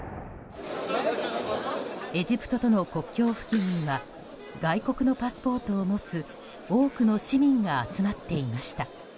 エジプトとの国境付近には外国のパスポートを持つ多くの市民が集まっていました。